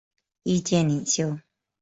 意见领袖。